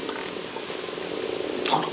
あら？